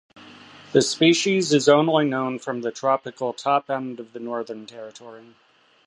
The species is only known from the tropical Top End of the Northern Territory.